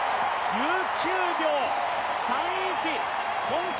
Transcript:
１９秒３１今季